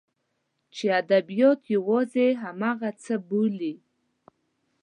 چې ادبیات یوازې همغه څه بولي.